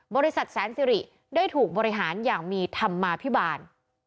บริษัทแสนสิริได้ถูกบริหารอย่างมีธรรมาภิบาล